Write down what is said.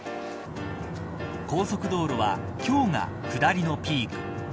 高速道路は今日が下りのピーク。